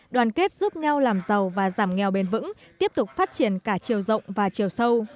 đoàn kết giúp nhau làm giàu và giảm nghèo bền vững tiếp tục phát triển cả chiều rộng và chiều sâu